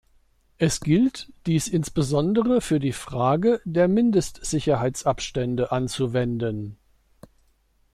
Es gilt, dies insbesondere für die Frage der Mindestsicherheitsabstände anzuwenden.